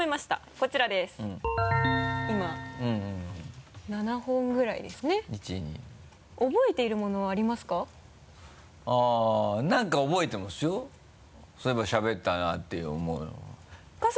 そういえばしゃべったなぁっていう覚え。